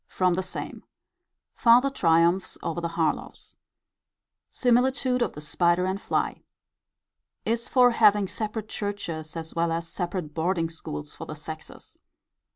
From the same. Farther triumphs over the Harlowes. Similitude of the spider and fly. Is for having separate churches as well as separate boarding schools for the sexes.